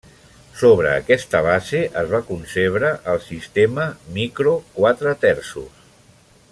Sobre aquesta base, es va concebre el sistema Micro Quatre Terços.